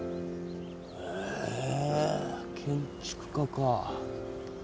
へえ建築家か。